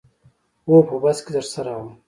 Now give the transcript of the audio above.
هو په بس کې درسره وم.